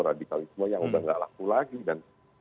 radikalisme yang udah gak laku lagi dan